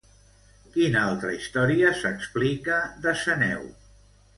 Quina altra història s'explica de Ceneu?